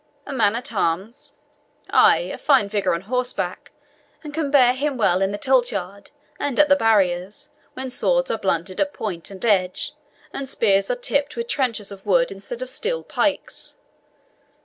A man at arms? Ay, a fine figure on horseback, and can bear him well in the tilt yard, and at the barriers, when swords are blunted at point and edge, and spears are tipped with trenchers of wood instead of steel pikes.